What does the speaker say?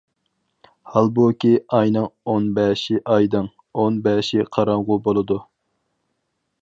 ھالبۇكى ئاينىڭ ئون بەشى ئايدىڭ، ئون بەشى قاراڭغۇ بولىدۇ.